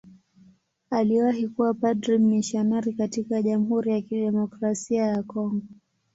Aliwahi kuwa padri mmisionari katika Jamhuri ya Kidemokrasia ya Kongo.